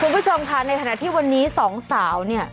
คุณผู้ชมค่ะในขณะที่วันนี้สองสาวเนี่ย